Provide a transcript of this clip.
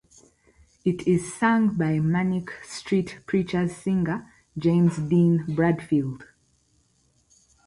It is sung by Manic Street Preachers' singer James Dean Bradfield.